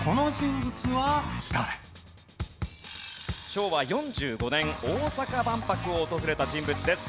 昭和４５年大阪万博を訪れた人物です。